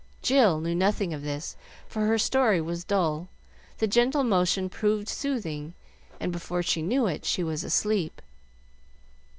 Jill knew nothing of this, for her story was dull, the gentle motion proved soothing, and before she knew it she was asleep.